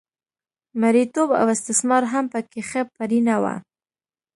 مریتوب او استثمار هم په کې ښه پرېنه و